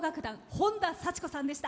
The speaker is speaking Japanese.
本田佐知子さんでした。